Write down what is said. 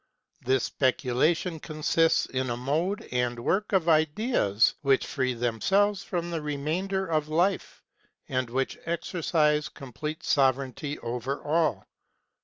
This specula tion consists in a mode and work of ideas which free themselves from the remainder of life, and which exercise complete sove reignty over all.